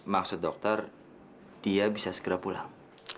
maksud dokter dia bisa segera pulang